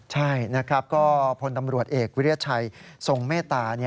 ใช่ก็พลตำรวจเอกวิเรียชัยทรงเมตตา